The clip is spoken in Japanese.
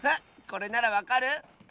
これならわかる？